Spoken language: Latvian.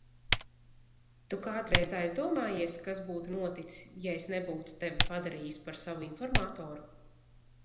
Tu kādreiz aizdomājies, kas būtu noticis, ja es nebūtu tevi padarījis par savu informatoru?